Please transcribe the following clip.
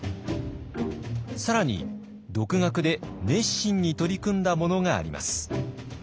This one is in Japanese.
更に独学で熱心に取り組んだものがあります。